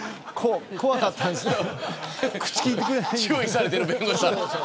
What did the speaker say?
注意されてる弁護士が。